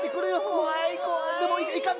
こわいこわい。